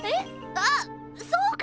あっそうか。